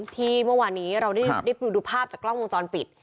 ที่เมื่อวานนี้เราได้ดูภาพจากกล้องวงจรปิด